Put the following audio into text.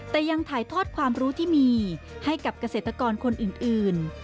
แต่ยังถ่ายทอดความรู้ที่มีให้กับเกษตรกรคนอื่น